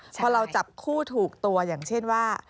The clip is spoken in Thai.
พอเราจับคู่ถูกตัวอย่างเช่นว่า